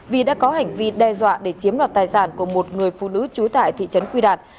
vì đã có hành vi đe dọa để chiếm đoạt tài sản của một người phụ nữ trú tại thị trấn quy đạt